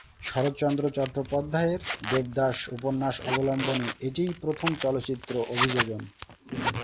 শরৎচন্দ্র চট্টোপাধ্যায়ের দেবদাস উপন্যাস অবলম্বনে এটিই প্রথম চলচ্চিত্র অভিযোজন।